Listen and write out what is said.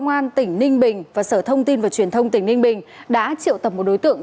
công an tỉnh ninh bình và sở thông tin và truyền thông tỉnh ninh bình đã triệu tập một đối tượng